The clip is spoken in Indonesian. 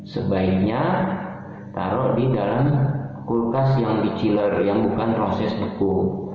sebaiknya taruh di dalam kulkas yang di chiller yang bukan proses beku